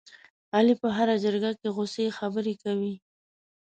علي په هره جرګه کې غوڅې خبرې کوي.